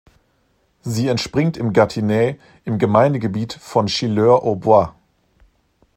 Sie entspringt im Gâtinais, im Gemeindegebiet von Chilleurs-aux-Bois.